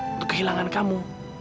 untuk kehilangan kamu